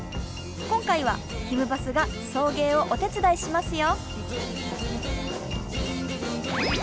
今回はひむバスが送迎をお手伝いしますよ。